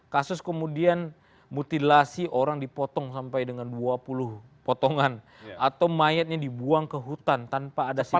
kasus kemudian mutilasi orang dipotong sampai dengan dua puluh potongan atau mayatnya dibuang ke hutan tanpa ada sifat